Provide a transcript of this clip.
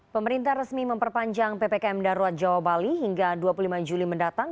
pemerintah resmi memperpanjang ppkm darurat jawa bali hingga dua puluh lima juli mendatang